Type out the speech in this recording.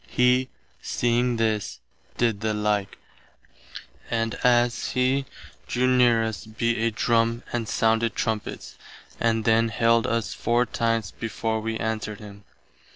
He, seeing this, did the like, and as [he] drew near us beat a drum and sounded trumpets, and then hailed us four times before we answered him.